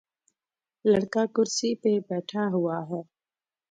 لڑکا کرسی پہ بیٹھا ہوا ہے۔